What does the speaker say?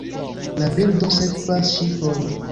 La birdo sekvas ŝipojn.